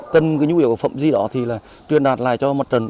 tân nhu yếu phòng phía trống thì truyền đạt lại cho mặt trần